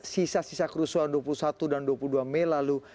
sisa sisa kerusuhan dua puluh satu dan dua puluh dua mei lalu